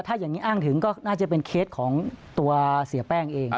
ถ้าอย่างนี้อ้างถึงก็น่าจะเป็นเคสของตัวเสียแป้งเอง